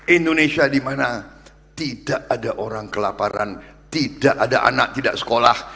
indonesia dimana tidak ada orang kelaparan tidak ada anak tidak sekolah